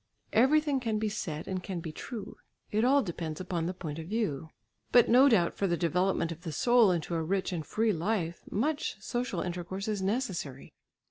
Everything can be said and can be true; it all depends upon the point of view. But no doubt for the development of the soul into a rich and free life much social intercourse is necessary.